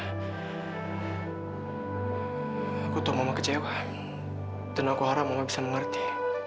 aku tahu mama kecewa dan aku harap mama bisa mengerti